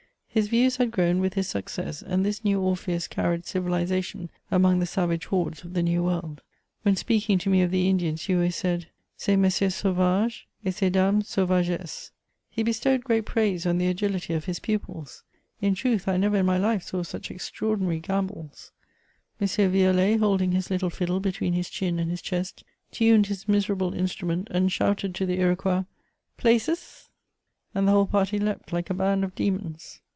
His views had grown with his success, and this new Orpheus carried civilisation among the savage hordes of the New World. When speaking to me of the Indians, he always said, '* Ces messieurs $auvage$ et ces dames sauvagesses.'' Hebe stowed great praise on the agility of his pupils ; in truth, I never in my life saw such extraordinary gambols. M. Violet holding his little fiddle between his chin and his chest, tuned his miserable instrument, and shouted to the Iroquois, ''places," and the whole party leaped like a band of demons.